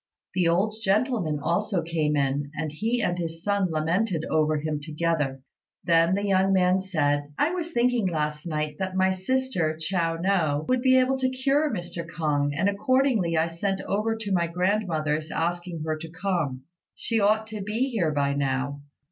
The old gentleman also came in, and he and his son lamented over him together. Then the young man said, "I was thinking last night that my sister, Chiao no, would be able to cure Mr. K'ung, and accordingly I sent over to my grandmother's asking her to come. She ought to be here by now."